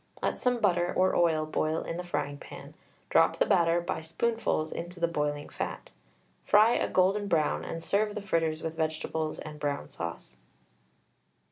Let some butter or oil boil in the frying pan, drop the batter by spoonfuls into the boiling fat; fry a golden brown, and serve the fritters with vegetables and brown sauce.